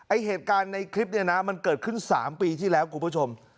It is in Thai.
เหตุการณ์ในคลิปเนี่ยนะมันเกิดขึ้น๓ปีที่แล้วคุณผู้ชม